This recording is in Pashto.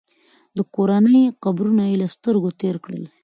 د کورنۍ قبرونه یې له سترګو تېر کړل.